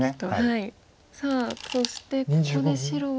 さあそしてここで白は。